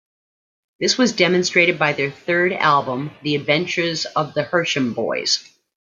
This was demonstrated by their third album, "The Adventures of the Hersham Boys".